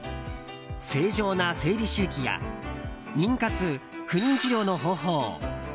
正常な生理周期や妊活・不妊治療の方法